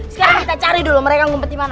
sekarang kita cari dulu mereka ngumpet di mana